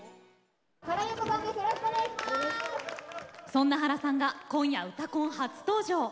そんな原さんが今夜「うたコン」初登場。